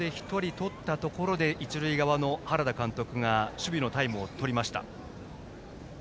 ここで１人とったところで原田監督が守備のタイムを取りました。